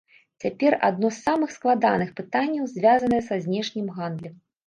Цяпер адно з самых складаных пытанняў звязанае са знешнім гандлем.